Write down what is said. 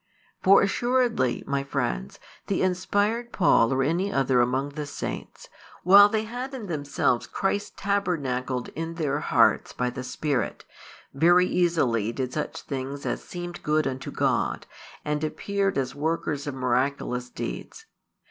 For assuredly, my friends, the inspired Paul or any other among the saints, while |272 they had in themselves Christ tabernacled in their hearts by the Spirit, very easily did such things as seemed good unto God, and appeared as workers of miraculous deeds.